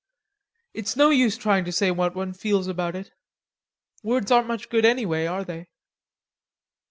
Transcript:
"It's no use trying to say what one feels about it. Words aren't much good, anyway, are they?"